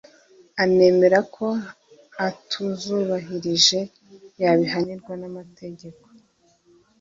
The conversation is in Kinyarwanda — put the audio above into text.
anemera ko atuzubahirije yabihanirwa n’amategeko